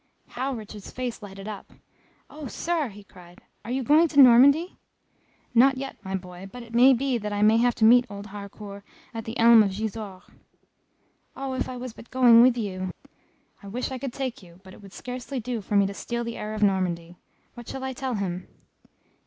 How Richard's face lighted up! "Oh, Sir," he cried, "are you going to Normandy?" "Not yet, my boy, but it may be that I may have to meet old Harcourt at the Elm of Gisors." "Oh, if I was but going with you." "I wish I could take you, but it would scarcely do for me to steal the heir of Normandy. What shall I tell him?"